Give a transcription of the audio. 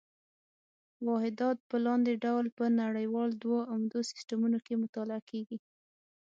واحدات په لاندې ډول په نړیوالو دوو عمده سیسټمونو کې مطالعه کېږي.